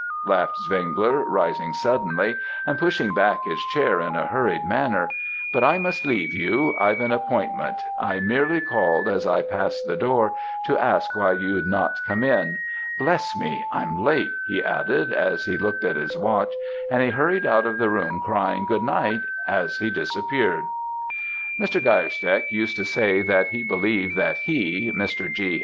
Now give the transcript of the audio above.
laughed Zwengler, rising suddenly, and pushing back his chair in a hurried manner, 'but I must leave you I've an appointment; I merely called as I passed the door, to ask why you'd not come in. Bless me! I'm late,' he added, as he looked at his watch; and he hurried out of the room, crying 'Good night,' as he disappeared. "Mr. Geierstecke used to say that he believed that he (Mr. G.